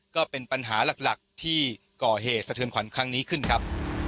ก็เป็นปัญหาหลักที่ก่อเหตุสะเทือนขวัญครั้งนี้ขึ้นครับ